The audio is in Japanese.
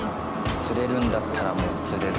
釣れるんだったらもう釣る。